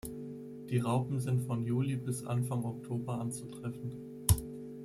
Die Raupen sind von Juli bis Anfang Oktober anzutreffen.